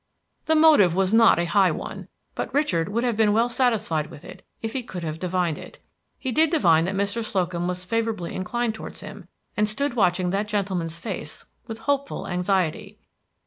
The motive was not a high one; but Richard would have been well satisfied with it, if he could have divined it. He did divine that Mr. Slocum was favorably inclined towards him, and stood watching that gentleman's face with hopeful anxiety.